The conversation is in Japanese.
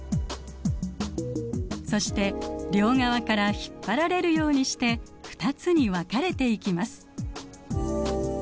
そして両側から引っ張られるようにして２つに分かれていきます。